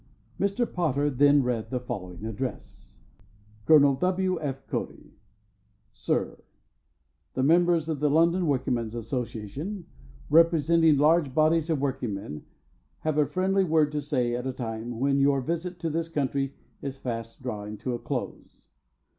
Mr. Potter then read the following address: Col. W. F. Cody: SIR: The members of the London Workingmen's Association, representing large bodies of workingmen, have a friendly word to say at a time when your visit to this country is fast drawing to a close.